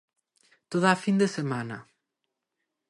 Toda a fin de semana.